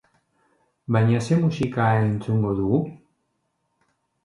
Baina ze musika entzungo dugu?